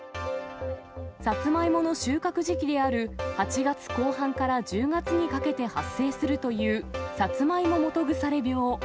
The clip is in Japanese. サツマイモの収穫時期である８月後半から１０月にかけて発生するというサツマイモ基腐病。